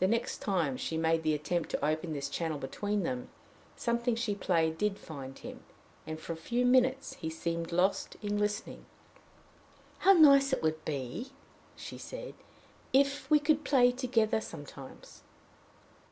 The next time she made the attempt to open this channel between them, something she played did find him, and for a few minutes he seemed lost in listening. "How nice it would be," she said, "if we could play together sometimes!"